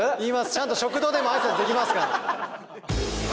ちゃんと食堂でも挨拶できますから。